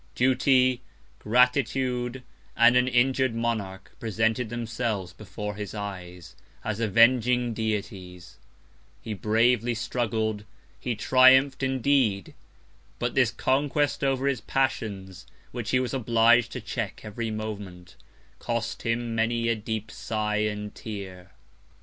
Duty, Gratitude, and an injur'd Monarch, presented themselves before his Eyes, as avenging Deities: He bravely struggled; he triumph'd indeed; but this Conquest over his Passions, which he was oblig'd to check every Moment, cost him many a deep Sigh and Tear.